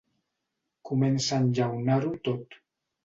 Comença a enllaunar-ho tot.